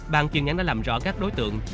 bàn chuyên án đã làm rõ các đối tượng